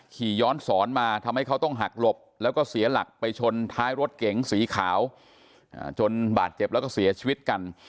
ขี่ย้อนสอนมาทำให้เขาต้องหักหลบแล้วก็เสียหลักไปชนท้ายรถเก๋งสีขาวจนบาดเจ็บแล้วก็เสียชีวิตกัน